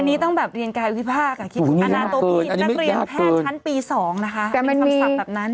อันนี้ต้องแบบเรียนกายวิพากษ์คิดถึงอนาโตพี่นักเรียนแพทย์ชั้นปี๒นะคะมีคำศัพท์แบบนั้น